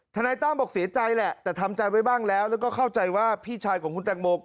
นายตั้มบอกเสียใจแหละแต่ทำใจไว้บ้างแล้วแล้วก็เข้าใจว่าพี่ชายของคุณแตงโม